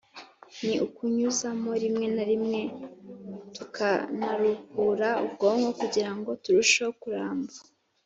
ni ukunyuzamo rimwe na rimwe tukanaruhura ubwonko kugirango turusheho kuramba